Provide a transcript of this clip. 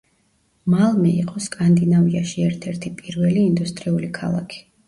მალმე იყო სკანდინავიაში ერთ-ერთი პირველი ინდუსტრიული ქალაქი.